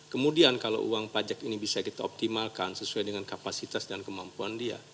kemudian kalau uang pajak ini bisa kita optimalkan sesuai dengan kapasitas dan kemampuan dia